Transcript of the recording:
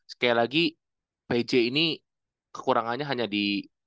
sekali lagi pj ini kekurangannya hanya di